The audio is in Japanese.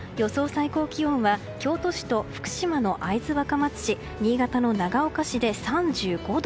最高気温は京都市と福島の会津若松市新潟の長岡市で３５度。